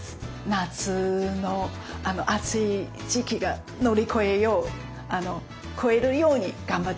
夏の暑い時期が乗り越えよう越えるように頑張って頂きたいです。